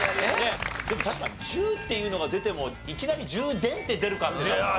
確かに「充」っていうのが出てもいきなり充電って出るか。